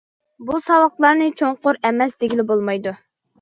بۇ ساۋاقلارنى چوڭقۇر ئەمەس دېگىلى بولمايدۇ.